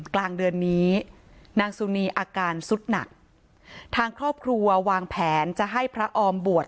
กลางเดือนนี้นางสุนีอาการสุดหนักทางครอบครัววางแผนจะให้พระออมบวช